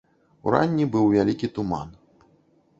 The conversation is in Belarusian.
Уранні быў вялікі туман.